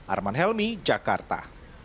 arman helmi jakarta